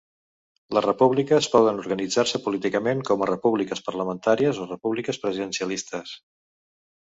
Les repúbliques poden organitzar-se políticament com a repúbliques parlamentàries o repúbliques presidencialistes.